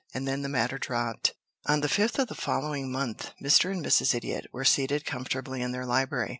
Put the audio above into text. And then the matter dropped. On the fifth of the following month Mr. and Mrs. Idiot were seated comfortably in their library.